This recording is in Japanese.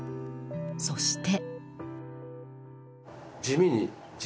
そして。